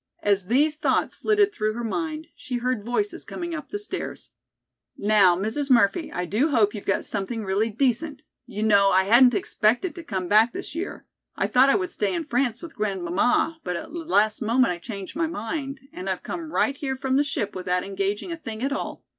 As these thoughts flitted through her mind she heard voices coming up the stairs. "Now, Mrs. Murphy, I do hope you've got something really decent. You know, I hadn't expected to come back this year. I thought I would stay in France with grandmamma, but at the last moment I changed my mind, and I've come right here from the ship without engaging a thing at all.